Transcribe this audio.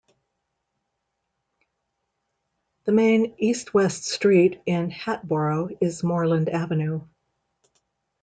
The main east-west street in Hatboro is Moreland Avenue.